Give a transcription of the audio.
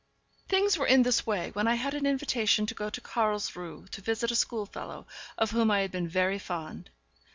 Things were in this way when I had an invitation to go to Carlsruhe to visit a schoolfellow, of whom I had been very fond.